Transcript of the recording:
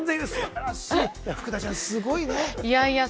福田ちゃん、すごいよね？